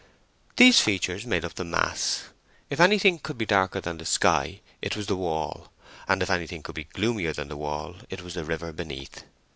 These features made up the mass. If anything could be darker than the sky, it was the wall, and if any thing could be gloomier than the wall it was the river beneath.